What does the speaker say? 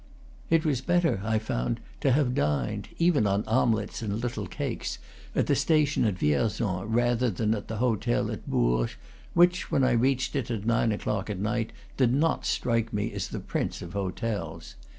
It was better, I found, to have dined (even on omelets and little cakes) at the station at Vierzon than at the hotel at Bourges, which, when I reached it at nine o'clock at night, did not strike me as the prince of hotels.